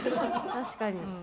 確かに。